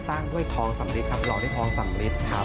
สร้างด้วยท้องสำลิดครับรองที่ท้องสำลิดครับ